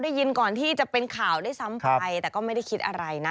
ได้ยินก่อนที่จะเป็นข่าวด้วยซ้ำไปแต่ก็ไม่ได้คิดอะไรนะ